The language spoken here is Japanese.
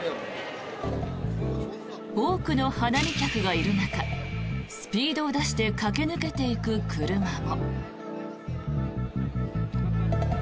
多くの花見客がいる中スピードを出して駆け抜けていく車も。